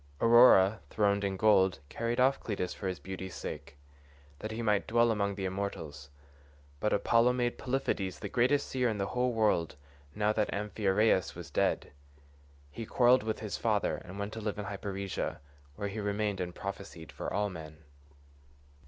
Aurora, throned in gold, carried off Cleitus for his beauty's sake, that he might dwell among the immortals, but Apollo made Polypheides the greatest seer in the whole world now that Amphiaraus was dead. He quarrelled with his father and went to live in Hyperesia, where he remained and prophesied for all men.